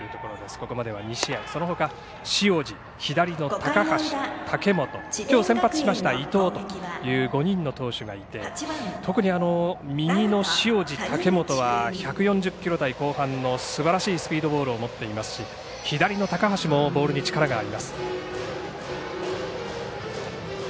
ここまでは２試合そのほか塩路、左の高橋武元、きょう先発しました伊藤という５人の投手がいて特に右の塩路、武元は１４０キロ台後半のすばらしいスピードボールを持っていますし左の高橋もボールに力があります。